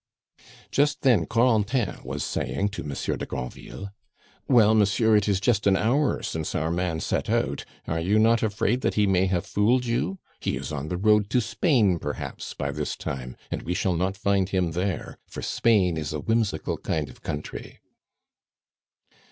Just then Corentin was saying to Monsieur de Granville: "Well, monsieur, it is just an hour since our man set out; are you not afraid that he may have fooled you? He is on the road to Spain perhaps by this time, and we shall not find him there, for Spain is a whimsical kind of country."